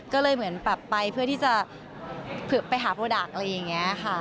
ก็เลยเหมือนแบบไปเพื่อที่จะไปหาโปรดักต์อะไรอย่างนี้ค่ะ